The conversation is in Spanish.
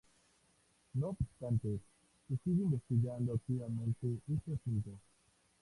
No obstante, se sigue investigando activamente este asunto.